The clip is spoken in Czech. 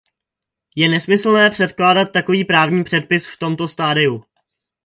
Je nesmyslné předkládat takový právní předpis v tomto stadiu.